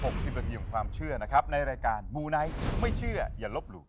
สิบนาทีของความเชื่อนะครับในรายการมูไนท์ไม่เชื่ออย่าลบหลู่